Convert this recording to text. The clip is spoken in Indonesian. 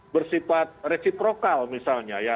bersifat reciprocal misalnya ya